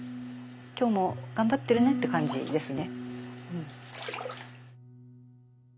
今日も頑張ってるねって感じですね。